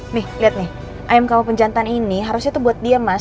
nih lihat nih ayam kawah penjantan ini harusnya itu buat dia mas